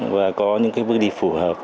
và có những cái bước đi phù hợp